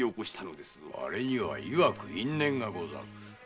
あれには曰く因縁がござる。